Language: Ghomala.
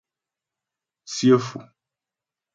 Tsyə́ Fò.